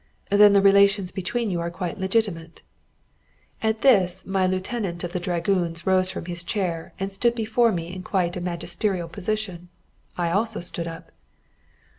"Then the relations between you are quite legitimate." At this, my lieutenant of dragoons rose from his chair and stood before me in quite a magisterial position. I also stood up.